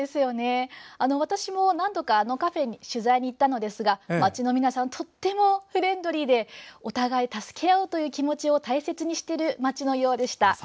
私も何度か、あのカフェに取材に行ったのですが町の皆さんとてもフレンドリーでお互い助け合おうという気持ちを大切にしている町のようでした。